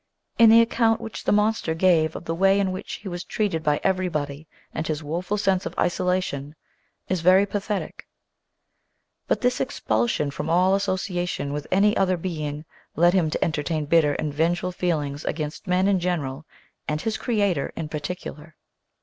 And the account which the monster gave of the way in which he was treated by everybody and his woeful sense of isolation is very pathetic. But this expulsion from all association with any other being led him to entertain bitter and vengeful feelings against men in general and his creator in particular.